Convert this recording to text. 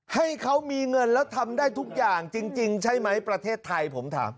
ให้เขามีเงินแล้วทำได้ทุกอย่างจริงใช่ไหมประเทศไทยผมถาม